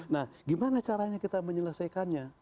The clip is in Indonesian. nah gimana caranya kita menyelesaikannya